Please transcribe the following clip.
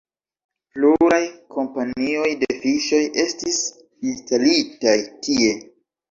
Pluraj kompanioj de fiŝoj estis instalitaj tie.